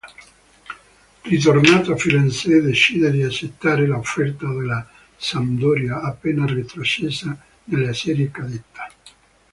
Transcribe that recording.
Ritornato a Firenze, decide di accettare l'offerta della Sampdoria, appena retrocessa nella serie cadetta.